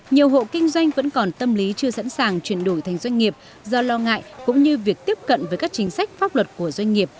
nhiều hộ kinh doanh vẫn còn tâm lý chưa sẵn sàng chuyển đổi thành doanh nghiệp do lo ngại cũng như việc tiếp cận với các chính sách pháp luật của doanh nghiệp